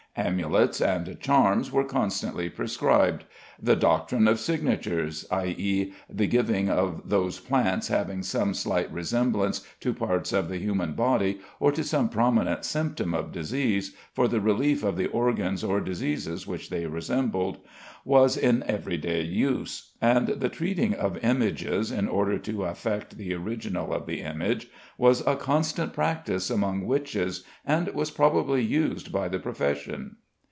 Amulets and charms were constantly prescribed; the doctrine of signatures i.e., the giving of those plants having some slight resemblance to parts of the human body or to some prominent symptom of disease, for the relief of the organs or diseases which they resembled was in every day use; and the treating of images in order to affect the original of the image was a constant practice among witches, and was probably used by the profession.